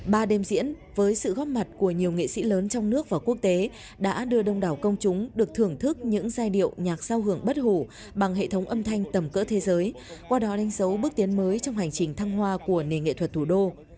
ba đêm diễn với sự góp mặt của nhiều nghệ sĩ lớn trong nước và quốc tế đã đưa đông đảo công chúng được thưởng thức những giai điệu nhạc sao hưởng bất hủ bằng hệ thống âm thanh tầm cỡ thế giới qua đó đánh dấu bước tiến mới trong hành trình thăng hoa của nền nghệ thuật thủ đô